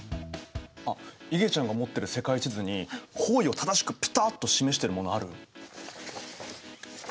あっいげちゃんが持ってる世界地図に方位を正しくピタッと示してるものある？